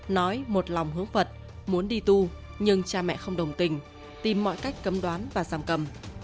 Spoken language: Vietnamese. nói một lòng hướng phật muốn đi tu nhưng cha mẹ không đồng tình tìm mọi cách cấm đoán và giảm cầm